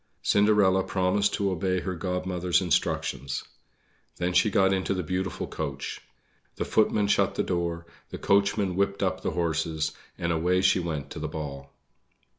Cinderella promised to obey her Godmother's instructions. Then she got into the beautiful coach. The footman shut the door, the coachman whipped up the horses, and away she went to the ball.